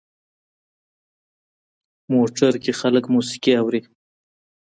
موټر کې خلک موسیقي اوري.